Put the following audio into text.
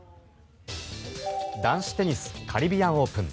男子テニスカリビアンオープン。